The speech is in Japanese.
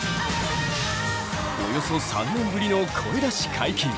およそ３年ぶりの声出し解禁。